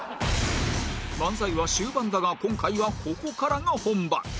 漫才は終盤だが今回はここからが本番